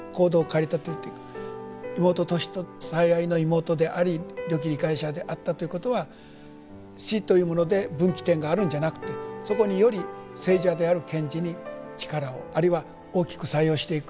妹トシと最愛の妹でありよき理解者であったということは死というもので分岐点があるんじゃなくてそこにより生者である賢治に力をあるいは大きく作用していく。